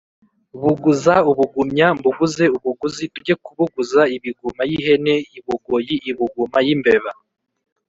Buguza ubugumya mbuguze ubuguzi tujye kubuguza ibuguma y'ihene i Bugoyi-Ibuguma y'imbeba.